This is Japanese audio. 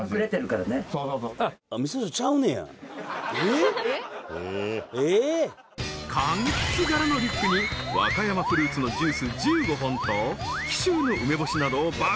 ［かんきつ柄のリュックに和歌山フルーツのジュース１５本と紀州の梅干しなどを爆買い］